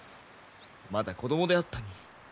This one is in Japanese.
まだ子供であったに。